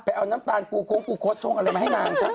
ไปเอาน้ำตาลกูงคดชงอะไรมาให้นางนะ